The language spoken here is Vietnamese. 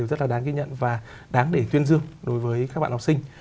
rất là đáng ghi nhận và đáng để tuyên dương đối với các bạn học sinh